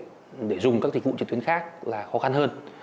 điều kiện để dùng các dịch vụ trực tuyến khác là khó khăn hơn